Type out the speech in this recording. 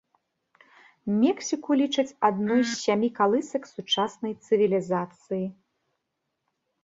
Мексіку лічаць адной з сямі калысак сучаснай цывілізацыі.